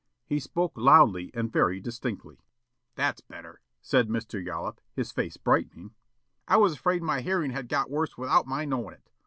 He spoke loudly and very distinctly. "That's better," said Mr. Yollop, his face brightening. "I was 'afraid my hearing had got worse without my knowing it.